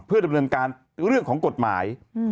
เพื่อดำเนินการเรื่องของกฎหมาย